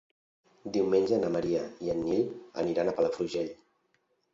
Diumenge na Maria i en Nil aniran a Palafrugell.